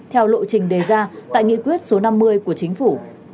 theo lộ trình đề ra tại nghị quyết số năm mươi của chính phủ